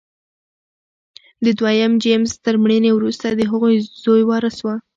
د دویم جېمز تر مړینې وروسته د هغه زوی وارث و.